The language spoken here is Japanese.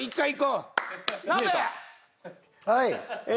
はい。